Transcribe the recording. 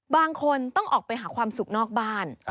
บางคนต้องออกไปหาความสุขนอกบ้าน